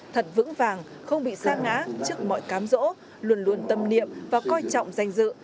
thật vững vàng không bị sa ngã trước mọi cám rỗ luôn luôn tâm niệm và coi trọng danh dự